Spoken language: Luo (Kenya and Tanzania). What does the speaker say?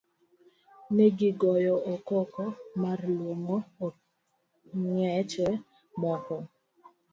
Negi goyo koko mar luongo ong'eche moko.